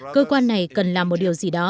cơ quan này đã có thể